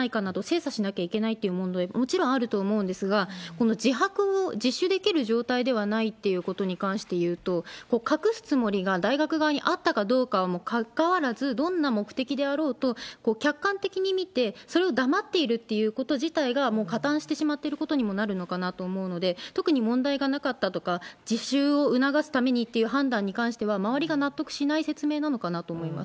この１２日間、自首できる状態ではないということに関していうと、隠すつもりが、大学側にあったかどうかにかかわらず、どんな目的であろうと客観的に見て、それを黙っているっていうこと自体が、もう加担してしまっていることになるのかなと思うので、特に問題がなかったとか、自首を促すためにっていう判断に関しては、周りが納得しない説明なのかなと思います。